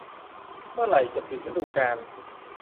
เมื่อไหร่จะปิดฤดูกาล